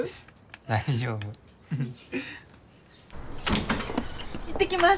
大丈夫行ってきます